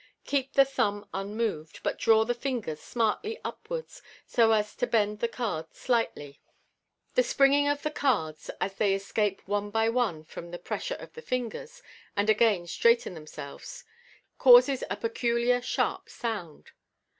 Keep the thumb unmoved, but draw the fingers smartly upwards, so as to bend the cards slightly. The springing of the cards as they escape one by one from the pressure of the fingers, and again straighten themselves, causes a peculiar sharp sound.